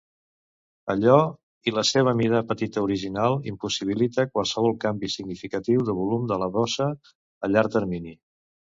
Allò, i la seva mida petita original, impossibilita qualsevol canvi significatiu del volum de la bossa a llarg termini.